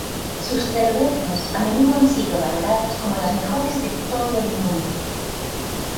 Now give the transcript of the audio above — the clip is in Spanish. Sus cervezas a menudo han sido valoradas como las mejores de todo el mundo.